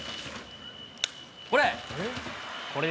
これ。